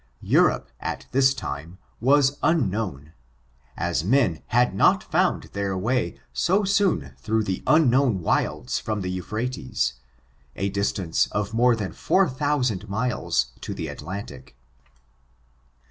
Europe, at that time, was unknown, as men had not found their way so soon through the unknown wilds from the Euphrates, a dis tance of more than four thousand miles to the At* lantic.